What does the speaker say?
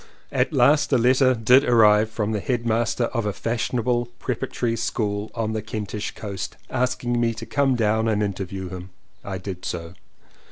At last a letter did arrive from the headmaster of a fashionable preparatory school on the Kentish coast, asking me to come down and interview him. I did so.